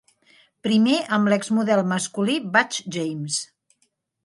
Primer amb l'exmodel masculí Butch James.